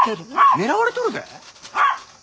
狙われとるで。